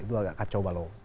itu agak kacau balau